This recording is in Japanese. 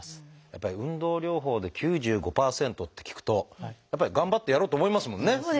やっぱり運動療法で９５％って聞くとやっぱり頑張ってやろうと思いますもんね。